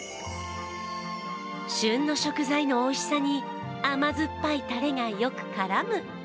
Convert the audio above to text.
旬の食材のおいしさに甘酸っぱいたれがよく絡む。